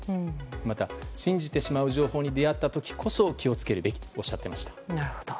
また、信じてしまう情報に出会った時ほど気を付けるべきとおっしゃっていました。